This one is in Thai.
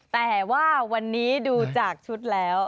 แต่ว่าวันนี้ดูจากชุดแล้ว